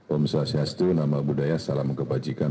om swastiastu nama budaya salam kebajikan